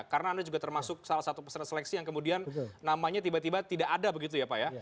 karena anda juga termasuk salah satu peserta seleksi yang kemudian namanya tiba tiba tidak ada begitu ya pak ya